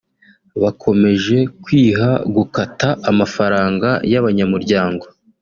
Bakomeje kwiha gukata amafaranga y’abanyamuryango